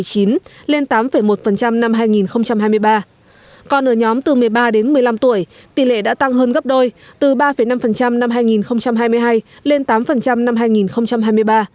còn ở nhóm từ một mươi ba đến một mươi năm tuổi tỷ lệ đã tăng hơn gấp đôi từ ba năm năm hai nghìn hai mươi hai lên tám năm hai nghìn hai mươi ba